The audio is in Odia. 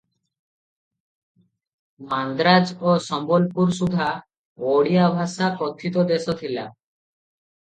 ମାନ୍ଦ୍ରାଜ ଓ ସମ୍ବଲପୁର ସୁଦ୍ଧା ଓଡ଼ିଆ ଭାଷା କଥିତ ଦେଶ ଥିଲା ।